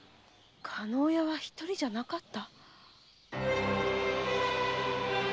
加納屋は一人じゃなかった。